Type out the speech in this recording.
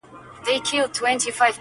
چي پښتو پالي په هر وخت کي پښتانه ملګري-